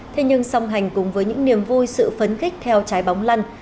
thế nhưng song hành cùng với những niềm vui sự phấn khích theo trái bóng lăn